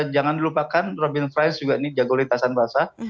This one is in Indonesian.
jangan dilupakan robin fresh juga ini jago lintasan basah